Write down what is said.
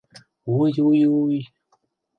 Уй-уй-уй...